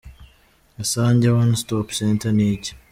Isange One Stop Center ni iki?.